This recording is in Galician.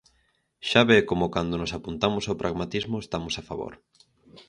Xa ve como cando nos apuntamos ao pragmatismo estamos a favor.